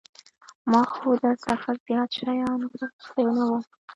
ما خو در څخه زيات شيان غوښتي نه وو.